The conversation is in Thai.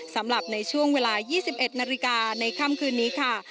สำหรับในช่วงเวลา๒๑นาฬิกาในค่ำคืนนี้ค่ะ